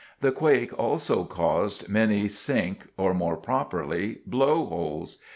The quake also caused many sink, or more properly, blow holes.